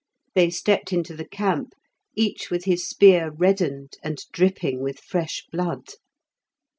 They stepped into the camp, each with his spear reddened and dripping with fresh blood.